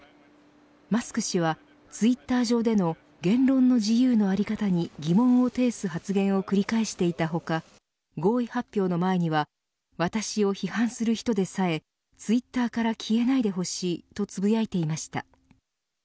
マスク氏はツイッター上での言論の自由のあり方に疑問を呈す発言を繰り返していた他合意発表の前には私を批判する人でさえツイッターから消えないでほしいとつぶやいていました。